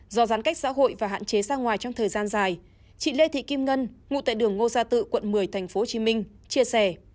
do giãn cách xã hội và hạn chế ra ngoài trong thời gian dài chị lê thị kim ngân ngụ tại đường ngô gia tự quận một mươi tp hcm chia sẻ